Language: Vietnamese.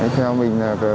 theo mình là được